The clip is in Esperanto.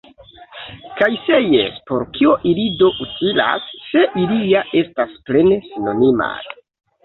Kaj se jes, por kio ili do utilas, se ili ja estas plene sinonimaj?